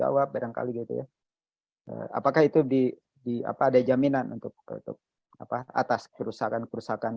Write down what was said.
jawab barangkali gitu ya apakah itu di di apa ada jaminan untuk apa atas kerusakan kerusakan